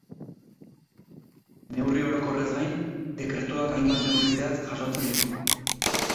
Neurri orokorrez gain, dekretuak hainbat neurri zehatz jasotzen ditu.